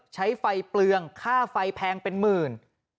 ใช้ไฟเปลืองค่าไฟแพงเป็นหมื่น